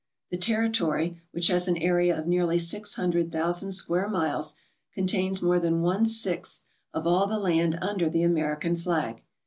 The territory, which has an area of nearly six hundred thousand square miles, contains more than one sixth of all the land under the American flag.